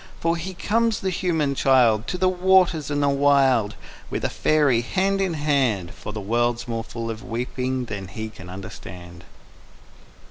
_For he comes, the human child, To the waters and the wild With a faery, hand in hand, From a world more full of weeping than he can understand.